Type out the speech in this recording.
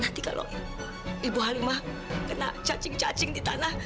nanti kalau ibu halimah kena cacing cacing di tanah